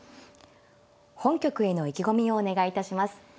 本局への意気込みをお願いいたします。